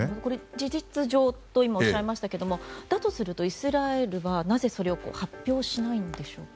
事実上と今おっしゃいましたけどだとするとイスラエルは、なぜそれを発表しないんでしょうか。